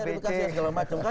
verifikasi segala macam kan